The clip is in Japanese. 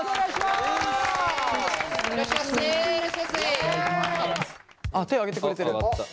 あっ手挙げてくれてる。